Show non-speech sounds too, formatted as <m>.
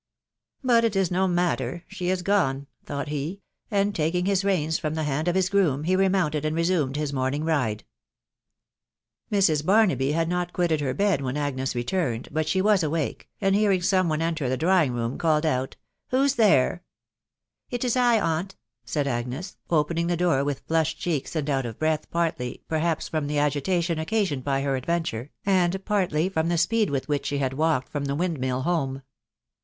"4Bat it i* no matter, .,„. Sbe k gene/* thought he, andi taking hie reins &<m> thte band o£ hie groom, ]bj remeemvad^ and resumed his* monwng' ride* Mrs. Baraahy had not quitted her teifcwhen Agwesretutnei^;* bat she was* a wakey and bearing some saw enter, the drawmap room, called out, " Who's there ?"* It ia T9 atraf>" said Agnes, epejiihg ttW'door with flushed cheeks and eat of breathy partly, perhapay ffoas the agitation? occasioned' by her adfentaiej and partty from tie speed' with which she* bad' walked from the* windmill home..